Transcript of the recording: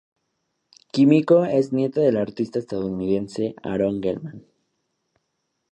Kimiko es nieta del artista estadounidense Aaron Gelman.